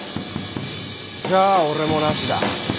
じゃあ俺もなしだ。